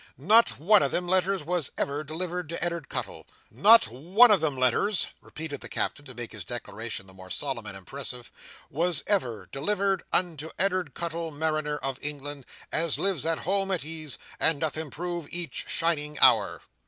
Not one of them letters was ever delivered to Ed'ard Cuttle. Not one o' them letters," repeated the Captain, to make his declaration the more solemn and impressive, "was ever delivered unto Ed'ard Cuttle, Mariner, of England, as lives at home at ease, and doth improve each shining hour!"